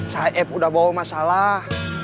saeb udah bawa masalah